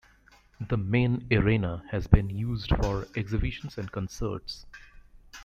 The main arena has been used for exhibitions and concerts.